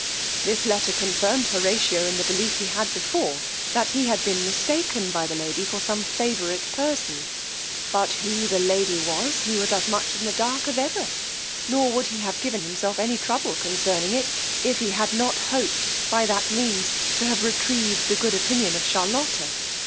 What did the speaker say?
This letter confirmed Horatio in the belief he had before, that he had been mistaken by the lady for some favorite person; but who the lady was, he was as much in the dark as ever; nor would he have given himself any trouble concerning it, if he had not hoped by that means to have retrieved the good opinion of Charlotta.